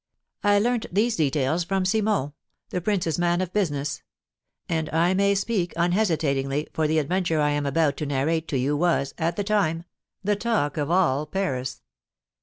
I learnt these details from Simon, the prince's man of business; and I may speak unhesitatingly, for the adventure I am about to narrate to you was, at the time, the talk of all Paris.